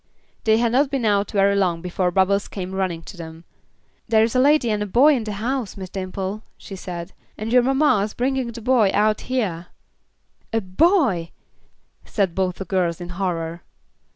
They had not been out very long before Bubbles came running to them. "There is a lady and a boy in the house, Miss Dimple," she said, "and your mamma's a bringin' the boy out hyah." "A boy!" said both the girls in horror.